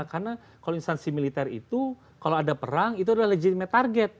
karena kalau instalasi militer itu kalau ada perang itu adalah legitimate target